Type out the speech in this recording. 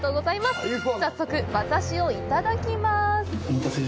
早速馬刺しをいただきます。